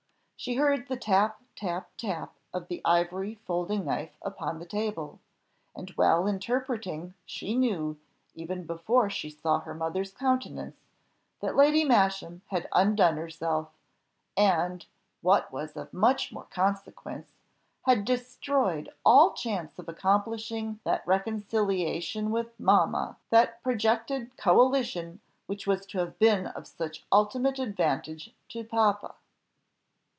She heard the tap, tap, tap of the ivory folding knife upon the table; and well interpreting, she knew, even before she saw her mother's countenance, that Lady Masham had undone herself, and, what was of much more consequence, had destroyed all chance of accomplishing that reconciliation with "mamma," that projected coalition which was to have been of such ultimate advantage to "papa."